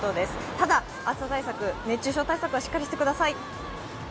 ただ、暑さ対策・熱中症対策はしっかりしてください。